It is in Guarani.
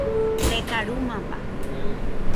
rekarúmapa